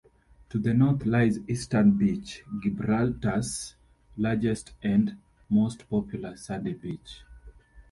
To the north lies Eastern Beach, Gibraltar's largest and most popular sandy beach.